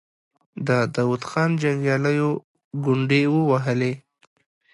د داود خان جنګياليو ګونډې ووهلې.